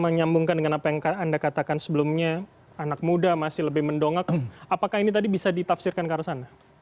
menyambungkan dengan apa yang anda katakan sebelumnya anak muda masih lebih mendongak apakah ini tadi bisa ditafsirkan ke arah sana